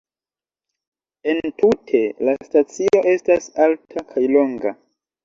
Entute, la stacio estas alta kaj longa.